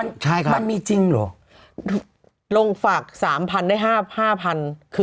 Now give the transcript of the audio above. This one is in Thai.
มันมีจริงหรอลงฝาก๓๐๐๐ได้๕๐๐๐คืน